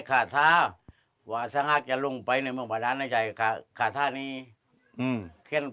บวงธรรมดาครองไม่ติดก็เลยต้องใช้บวงบาทนางนาคาอย่างเดียวที่จะครองได้